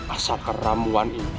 asal keramuan ini